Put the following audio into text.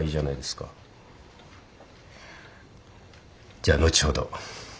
じゃあ後ほど。